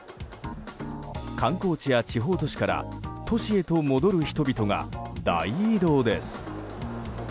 観光地や地方都市から都市へと戻る人々が大移動です。